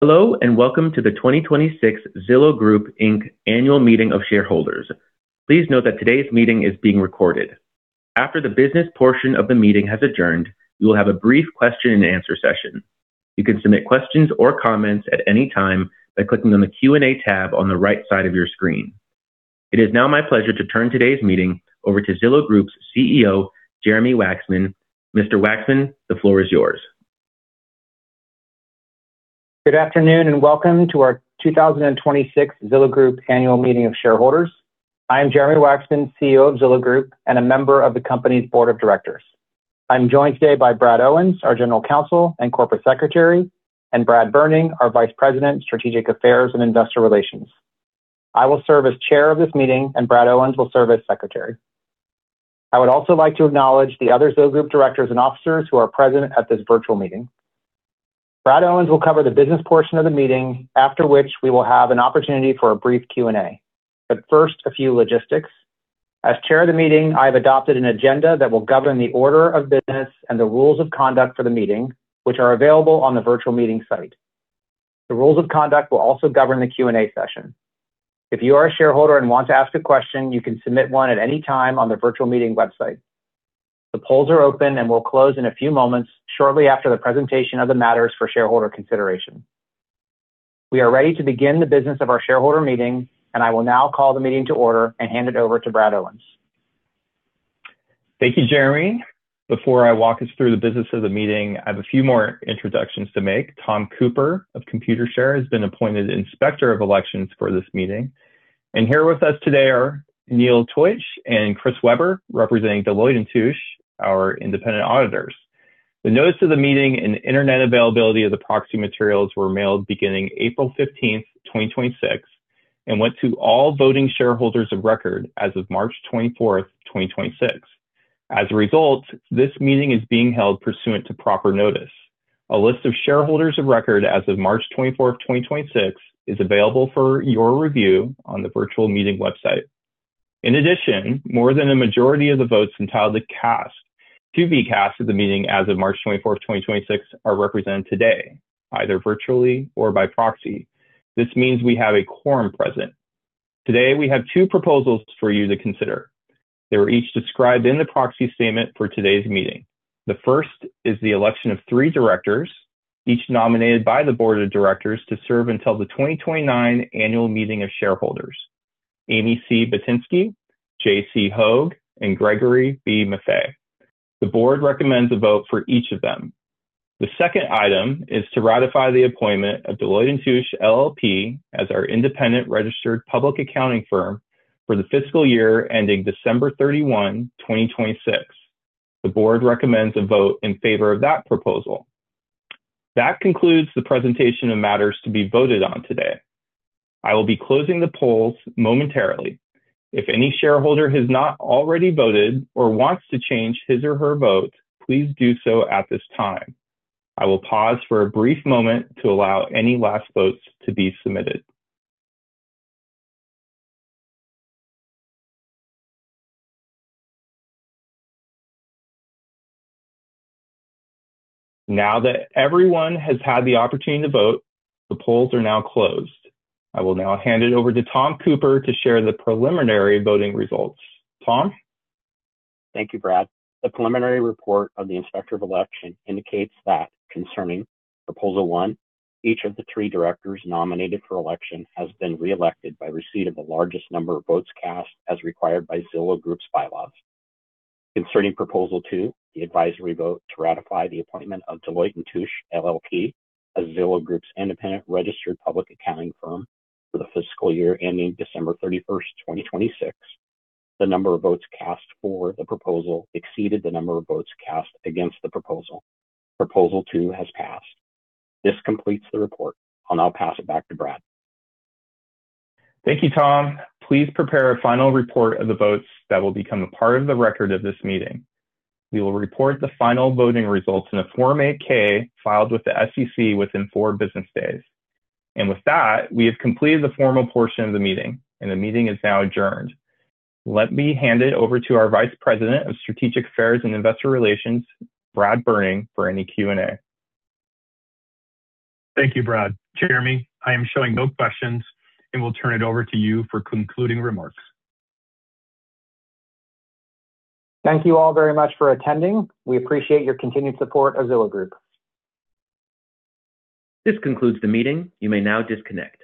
Hello, welcome to the 2026 Zillow Group Inc. Annual Meeting of Shareholders. Please note that today's meeting is being recorded. After the business portion of the meeting has adjourned, we will have a brief question-and-answer session. You can submit questions or comments at any time by clicking on the Q&A tab on the right side of your screen. It is now my pleasure to turn today's meeting over to Zillow Group's CEO, Jeremy Wacksman. Mr. Wacksman, the floor is yours. Good afternoon, and welcome to our 2026 Zillow Group Annual Meeting of Shareholders. I am Jeremy Wacksman, CEO of Zillow Group, and a member of the company's Board of Directors. I'm joined today by Brad Owens, our General Counsel and Corporate Secretary, and Bradley Berning, our Vice President, Strategic Affairs and Investor Relations. I will serve as chair of this meeting, and Brad Owens will serve as secretary. I would also like to acknowledge the other Zillow Group directors and officers who are present at this virtual meeting. Brad Owens will cover the business portion of the meeting, after which we will have an opportunity for a brief Q&A. First, a few logistics. As chair of the meeting, I have adopted an agenda that will govern the order of business and the rules of conduct for the meeting, which are available on the virtual meeting site. The rules of conduct will also govern the Q&A session. If you are a shareholder and want to ask a question, you can submit one at any time on the virtual meeting website. The polls are open and will close in a few moments shortly after the presentation of the matters for shareholder consideration. We are ready to begin the business of our shareholder meeting, I will now call the meeting to order and hand it over to Brad Owens. Thank you, Jeremy. Before I walk us through the business of the meeting, I have a few more introductions to make. Tom Cooper of Computershare has been appointed Inspector of Elections for this meeting. Here with us today are Neil Teutsch and Chris Webber, representing Deloitte & Touche, our independent auditors. The notice of the meeting and internet availability of the proxy materials were mailed beginning April 15th, 2026, and went to all voting shareholders of record as of March 24th, 2026. As a result, this meeting is being held pursuant to proper notice. A list of shareholders of record as of March 24th, 2026, is available for your review on the virtual meeting website. In addition, more than a majority of the votes entitled to be cast at the meeting as of March 24th, 2026, are represented today, either virtually or by proxy. This means we have a quorum present. Today, we have two proposals for you to consider. They were each described in the proxy statement for today's meeting. The first is the election of three directors, each nominated by the board of directors to serve until the 2029 Annual Meeting of Shareholders. Amy C. Bohutinsky, Jay C. Hoag, and Gregory B. Maffei. The board recommends a vote for each of them. The second item is to ratify the appointment of Deloitte & Touche LLP as our independent registered public accounting firm for the fiscal year ending December 31, 2026. The board recommends a vote in favor of that proposal. That concludes the presentation of matters to be voted on today. I will be closing the polls momentarily. If any shareholder has not already voted or wants to change his or her vote, please do so at this time. I will pause for a brief moment to allow any last votes to be submitted. Now that everyone has had the opportunity to vote, the polls are now closed. I will now hand it over to Tom Cooper to share the preliminary voting results. Tom? Thank you, Brad. The preliminary report of the Inspector of Election indicates that concerning proposal one, each of the three directors nominated for election has been reelected by receipt of the largest number of votes cast as required by Zillow Group's bylaws. Concerning proposal two, the advisory vote to ratify the appointment of Deloitte & Touche LLP as Zillow Group's independent registered public accounting firm for the fiscal year ending December 31st, 2026. The number of votes cast for the proposal exceeded the number of votes cast against the proposal. Proposal two has passed. This completes the report. I'll now pass it back to Brad. Thank you, Tom. Please prepare a final report of the votes that will become a part of the record of this meeting. We will report the final voting results in a Form 8-K filed with the SEC within four business days. With that, we have completed the formal portion of the meeting, and the meeting is now adjourned. Let me hand it over to our Vice President of Strategic Affairs and Investor Relations, Bradley Berning, for any Q&A. Thank you, Brad. Jeremy, I am showing no questions, and will turn it over to you for concluding remarks. Thank you all very much for attending. We appreciate your continued support of Zillow Group. This concludes the meeting. You may now disconnect.